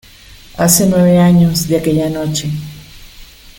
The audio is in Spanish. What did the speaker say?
Hace nueve años de aquella noche.